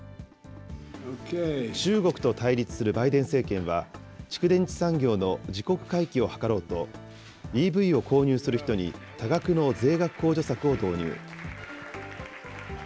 中国と対立するバイデン政権は、蓄電池産業の自国回帰を図ろうと、ＥＶを購入する人に多額の税額控除策を導入。